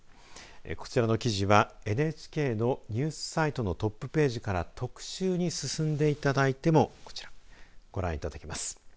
こちらの記事はＮＨＫのニュースサイトのトップページから特集に進んでいただいてもこちら、ご覧いただけます。